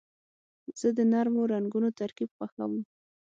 زه د نرمو رنګونو ترکیب خوښوم.